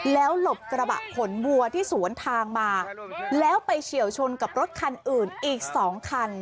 แล้วหลบกระบะขนวัวที่สวนทางมาแล้วไปเฉียวชนกับรถคันอื่นอีก๒คัน